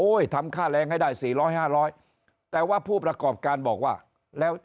ทำค่าแรงให้ได้๔๐๐๕๐๐แต่ว่าผู้ประกอบการบอกว่าแล้ว